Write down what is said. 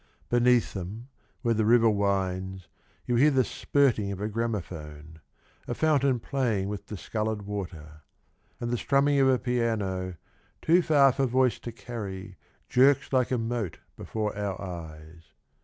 Beneath them where the river winds You hear the spirting of a gramophone — A fountain playing with discoloured water ; And the strumming of a piano, Too far for voice to carry Jerks like a mote before our eyes.